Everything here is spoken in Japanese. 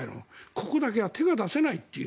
ここだけは手が出せないという。